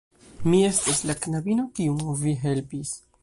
Mi estas la knabino kiun vi helpis